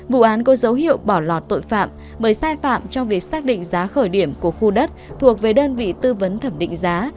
vụ án có dấu hiệu bỏ lọt tội phạm bởi sai phạm trong việc xác định giá khởi điểm của khu đất thuộc về đơn vị tư vấn thẩm định giá